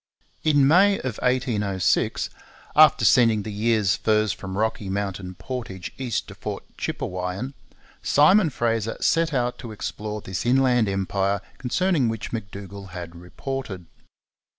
In May of 1806, after sending the year's furs from Rocky Mountain Portage east to Fort Chipewyan, Simon Fraser set out to explore this inland empire concerning which M'Dougall had reported.